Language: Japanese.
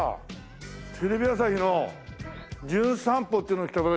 テレビ朝日の『じゅん散歩』っていうので来た私